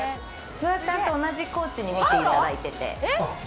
フワちゃんと同じコーチに見ていただいてて。